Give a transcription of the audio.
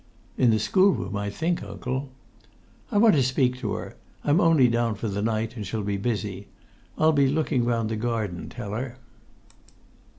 "In the schoolroom, I think, uncle." "I want to speak to her. I'm only down for the night and shall be busy. I'll be looking round the garden, tell her."